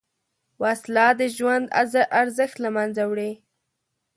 وسله د ژوند ارزښت له منځه وړي